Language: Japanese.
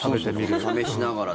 そう、試しながら。